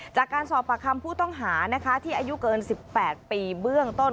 จากการสอบปากคำผู้ต้องหานะคะที่อายุเกิน๑๘ปีเบื้องต้น